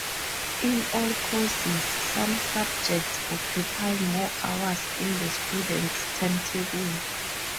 In all courses, some subjects occupy more hours in the student's timetable.